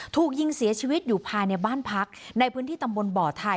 ถูกยิงเสียชีวิตอยู่ภายในบ้านพักในพื้นที่ตำบลบ่อไทย